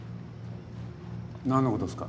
何のことですか？